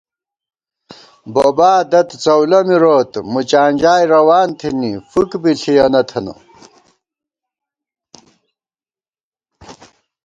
بوبا دَد څؤلَہ مِروت مُچانژائےروان تھنی فُک بی ݪِیَنہ تھنہ